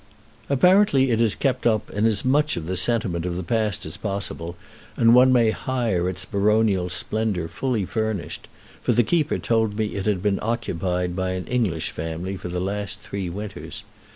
Apparently it is kept up in as much of the sentiment of the past as possible, and one may hire its baronial splendor fully furnished; for the keeper told it had been occupied by an English family for the last three winters.